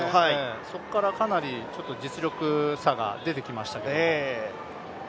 そこから、かなり実力差が出てきましたけど。